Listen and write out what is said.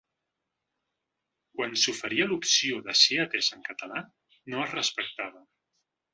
Quan s’oferia l’opció de ser atès en català no es respectava.